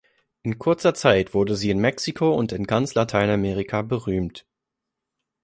In kurzer Zeit wurde sie in Mexiko und in ganz Lateinamerika berühmt.